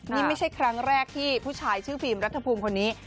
นี่ไม่ใช่ครั้งแรกที่ผู้ชายชื่อฟิล์มรัฐภูมิคนนี้